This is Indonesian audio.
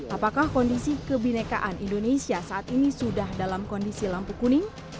apakah kondisi kebinekaan indonesia saat ini sudah dalam kondisi lampu kuning